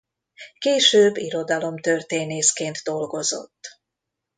Később irodalomtörténészként dolgozott.